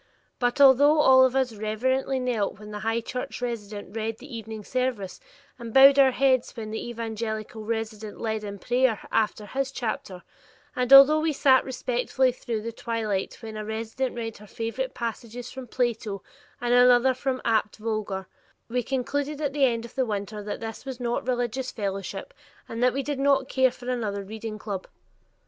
But although all of us reverently knelt when the High Church resident read the evening service and bowed our heads when the evangelical resident led in prayer after his chapter, and although we sat respectfully through the twilight when a resident read her favorite passages from Plato and another from Abt Vogler, we concluded at the end of the winter that this was not religious fellowship and that we did not care for another reading club.